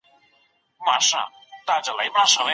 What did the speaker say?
ولي خلګ تښتي ؟